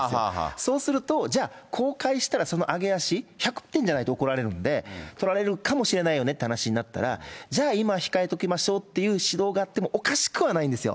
そうするとじゃ、公開したらその揚げ足、１００点じゃないと怒られるんで、取られるかもしれないよねって話になったら、じゃあ、今控えておきましょうという指導があってもおかしくはないんですよ。